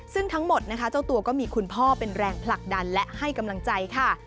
ซึ่งทั้งหมดนะคะเจ้าตัวก็มีคุณพ่อเป็นแรงผลักดันและให้กำลังใจค่ะ